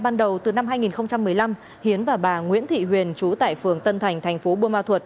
năm hai nghìn một mươi năm hiến và bà nguyễn thị huyền trú tại phường tân thành thành phố bùa ma thuật